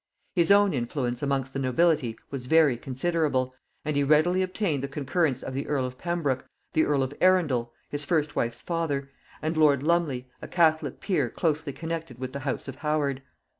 His own influence amongst the nobility was very considerable, and he readily obtained the concurrence of the earl of Pembroke, the earl of Arundel (his first wife's father), and lord Lumley (a catholic peer closely connected with the house of Howard).